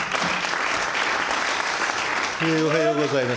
おはようございます。